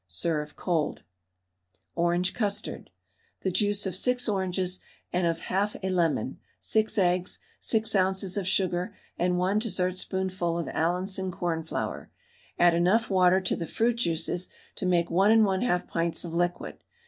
Serve cold. ORANGE CUSTARD. The juice of 6 oranges and of 1/2 a lemon, 6 eggs, 6 oz. of sugar, and 1 dessertspoonful of Allinson cornflour. Add enough water to the fruit juices to make 1 1/2 pints of liquid.